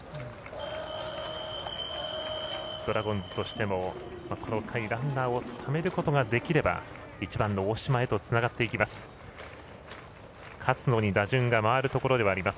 ドラゴンズとしてもこの回ランナーをためることができれば１番の大島へとつながっていきます。